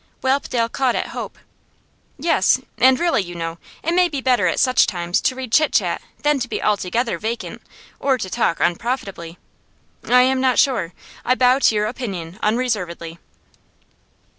Whelpdale caught at hope. 'Yes. And really, you know, it may be better at such times to read chit chat than to be altogether vacant, or to talk unprofitably. I am not sure; I bow to your opinion unreservedly.